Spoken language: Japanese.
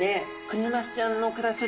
クニマスちゃんの暮らす